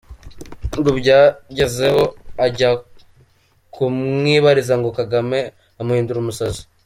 Ngo byagezeho ajya kumwibariza ngo Kagame amuhindura umusazi.